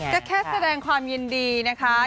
ก็แค่แสดงความยินดีนะคะ